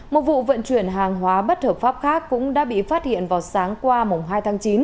một vụ vận chuyển hàng hóa bất hợp pháp khác cũng đã bị phát hiện vào sáng qua hai tháng chín